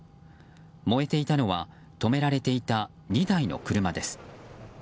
燃えていたのは止められていた２台の車です。